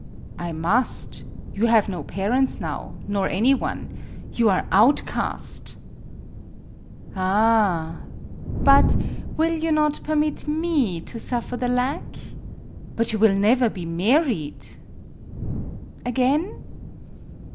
"I must; you have no parents now nor anyone. You are outcast." " Ah h h ! But will you not permit me to suffer the lack ?" MADAME BUTTERFLY 31 " But you will never be married !"" Again